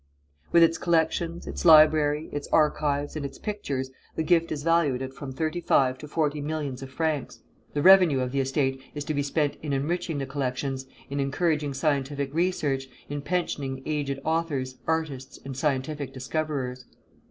With its collections, its library, its archives, and its pictures, the gift is valued at from thirty five to forty millions of francs. The revenue of the estate is to be spent in enriching the collections, in encouraging scientific research, in pensioning aged authors, artists, and scientific discoverers.